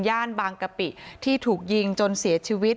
บางกะปิที่ถูกยิงจนเสียชีวิต